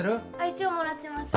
一応もらってます。